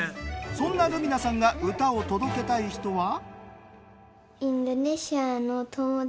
そんな瑠海奈さんが歌を届けたい人は。